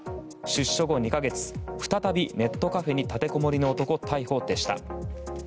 出所後２か月再びネットカフェに立てこもりの男、逮捕でした。